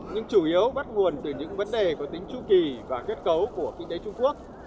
nhưng chủ yếu bắt nguồn từ những vấn đề có tính tru kỳ và kết cấu của kinh tế trung quốc